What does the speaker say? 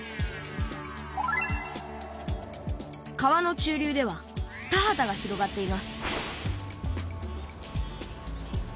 川の中流では田畑が広がっています